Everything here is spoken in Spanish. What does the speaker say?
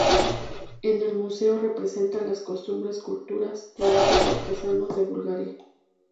En el museo representa las costumbres, culturas y trabajos artesanos de Bulgaria.